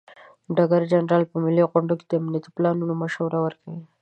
ډګر جنرال په ملي غونډو کې د امنیتي پلانونو مشوره ورکوي.